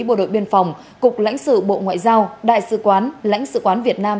bộ đội biên phòng cục lãnh sự bộ ngoại giao đại sứ quán lãnh sự quán việt nam